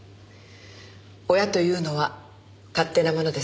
親というのは勝手なものです。